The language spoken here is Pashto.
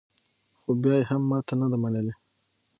خو بیا یې هم ماته نه ده منلې